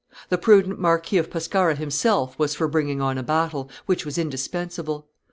The prudent Marquis of Pescara himself was for bringing on a battle, which was indispensable.